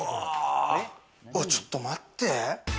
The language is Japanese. ちょっと待って。